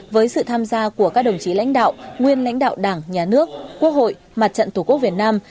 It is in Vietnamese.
với sự tham gia của các đồng chí lãnh đạo nguyên lãnh đạo đảng nhà nước quốc hội mặt trận tổ quốc việt nam